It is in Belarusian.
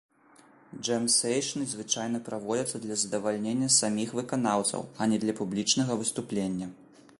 Джэм-сэйшны звычайна праводзяцца для задавальнення саміх выканаўцаў, а не для публічнага выступлення.